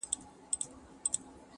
o کوټ کوټ دلته کوي، هگۍ بل ځاى اچوي!